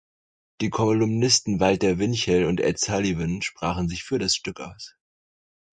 Die Kolumnisten Walter Winchell und Ed Sullivan sprachen sich für das Stück aus.